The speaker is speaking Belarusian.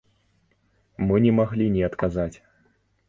Мы не маглі не адказаць.